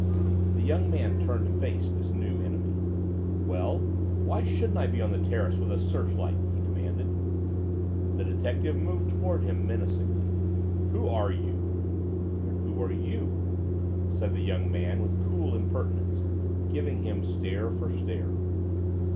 The young man turned to face this new enemy. "Well, why shouldn't I be on the terrace with a searchlight?" he demanded. The detective moved toward him menacingly. "Who are you?" "Who are you?" said the young man with cool impertinence, giving him stare for stare.